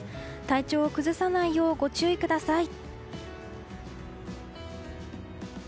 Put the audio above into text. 体調を崩さないようご注意ください。